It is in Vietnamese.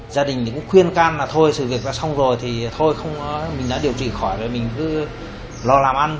gia đình cũng khuyên can là thôi sự việc đã xong rồi thì thôi không nói mình đã điều trị khỏi rồi mình cứ lo làm ăn